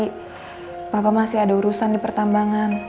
tapi papa masih ada urusan di pertambangan